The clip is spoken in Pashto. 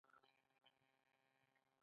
کوربه د مېلمه ستړیا کموي.